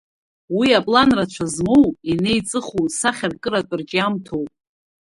Уи аплан рацәа змоу, инеиҵыху сахьаркыратә рҿиамҭоуп.